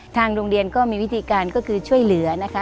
ทางโรงเรียนก็มีวิธีการก็คือช่วยเหลือนะคะ